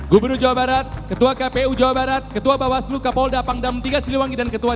gubernur jawa barat ketua kpu jawa barat ketua bawaslu kapolda pangdam tiga siliwangi dan ketua